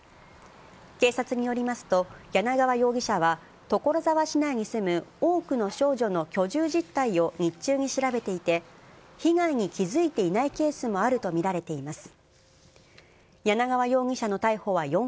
警察によりますと、柳川容疑者は、所沢市内に住む多くの少女の居住実態を日中に調べていて、被害に気付いていないケースもあると見られています。